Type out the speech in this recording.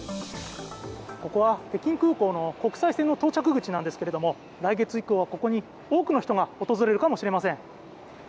ここは北京空港の国際線の到着口なんですけど来月以降はここに多くの人が訪れるかもしれません。